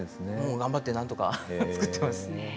頑張ってなんとか作っています。